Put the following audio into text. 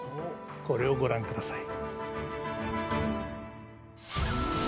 これをご覧ください。